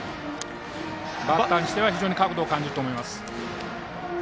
バッターとしては非常に角度を感じると思います。